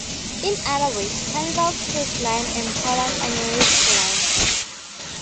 In other words, Carnival Cruise Line and Holland America Line.